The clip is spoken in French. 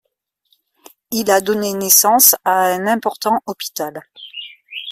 Il a donné naissance à un important hôpital.